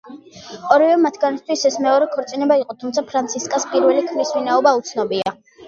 ორივე მათგანისთვის, ეს მეორე ქორწინება იყო, თუმცა ფრანცისკას პირველი ქმრის ვინაობა უცნობია.